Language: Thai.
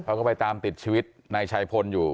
เขาก็ไปตามติดชีวิตนายชัยพลอยู่